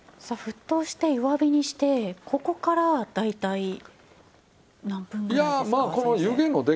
さあ沸騰して弱火にしてここから大体何分ぐらいですか？